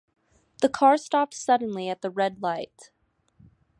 The car stopped suddenly at the red light.